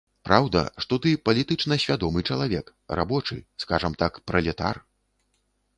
Праўда, што ты палітычна свядомы чалавек, рабочы, скажам так, пралетар.